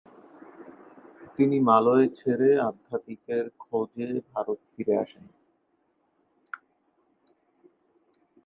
তিনি মালয় ছেড়ে, আধ্যাত্মিকের খোঁজে ভারতে ফিরে আসেন।